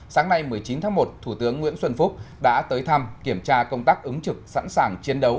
sáng nay một mươi chín tháng một thủ tướng nguyễn xuân phúc đã tới thăm kiểm tra công tác ứng trực sẵn sàng chiến đấu